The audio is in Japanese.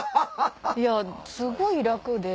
いやすごい楽で。